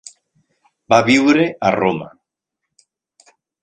Va viure a Roma.